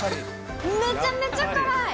めちゃめちゃ辛い！